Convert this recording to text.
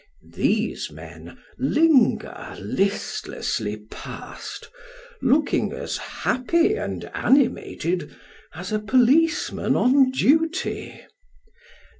These rnen linger listlessly past, looking as happy and animated as a police man on duty.